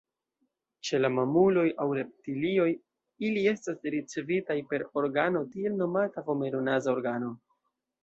Ĉe la mamuloj aŭ reptilioj, ili estas ricevitaj per organo tiel nomata vomero-naza organo.